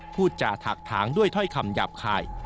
พูดจาถักถางด้วยถ้อยคำหยาบคาย